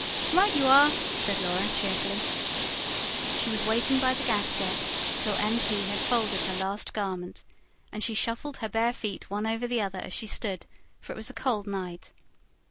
"Right you are!" said Laura cheerfully. She was waiting by the gas jet till M.P. had folded her last garment, and she shuffled her bare feet one over the other as she stood; for it was a cold night.